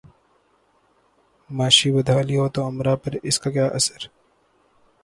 معاشی بدحالی ہو توامراء پہ اس کا کیا اثر؟